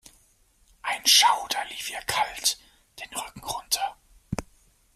Ein Schauder lief ihr kalt den Rücken runter.